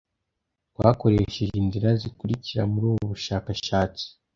Twakoresheje inzira zikurikira muri ubu bushakashatsi.